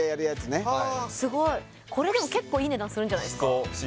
すごいこれでも結構いい値段するんじゃないですか？